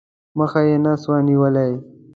مخه یې نه سوای نیولای.